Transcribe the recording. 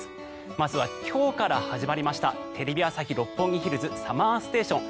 まずは今日から始まりましたテレビ朝日・六本木ヒルズＳＵＭＭＥＲＳＴＡＴＩＯＮ